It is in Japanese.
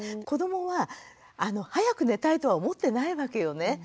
子どもは早く寝たいとは思ってないわけよね。